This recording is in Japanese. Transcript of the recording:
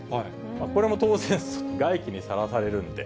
これも当然、外気にさらされるんで。